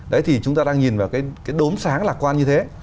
đấy thì chúng ta đang nhìn vào cái đốm sáng lạc quan như thế